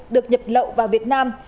được nhập lậu vào việt nam